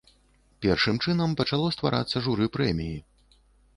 Першым чынам пачало стварацца журы прэміі.